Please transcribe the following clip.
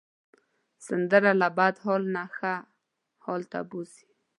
سندره له بد حال نه ښه حال ته بوځي